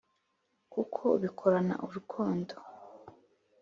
kuko ubikorana urukundo